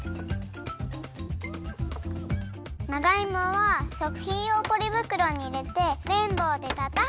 長いもはしょくひんようポリぶくろにいれてめんぼうでたたく！